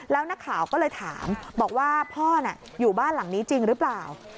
แล้วนักข่าวก็เลยถามบอกว่าพ่ออยู่บ้านหลังนี้จริงหรือเปล่า